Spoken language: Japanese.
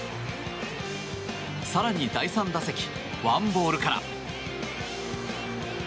更に第３打席１ボールから。